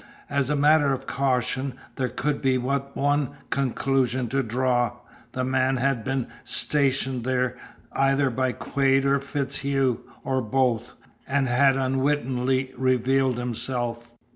As a matter of caution, there could be but one conclusion to draw. The man had been stationed there either by Quade or FitzHugh, or both, and had unwittingly revealed himself.